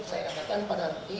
saya katakan pada ruki